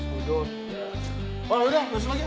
sudah masuk lagi